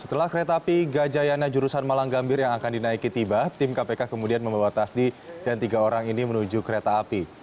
setelah kereta api gajayana jurusan malang gambir yang akan dinaiki tiba tim kpk kemudian membawa tasdi dan tiga orang ini menuju kereta api